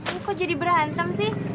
lu kok jadi berhantam sih